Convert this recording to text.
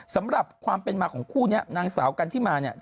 สำหรับความเป็นมาของคู่นี้นางสาวกันที่มาเนี่ย